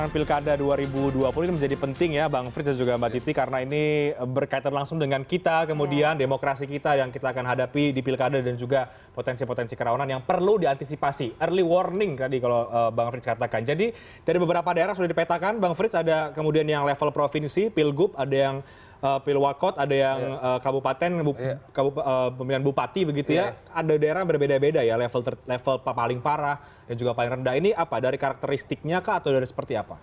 pemimpinan bupati begitu ya ada daerah yang berbeda beda ya level paling parah dan juga paling rendah ini apa dari karakteristiknya atau dari seperti apa